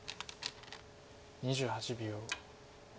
２８秒。